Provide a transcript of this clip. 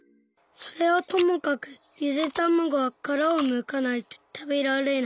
それはともかくゆでたまごはカラをむかないとたべられない。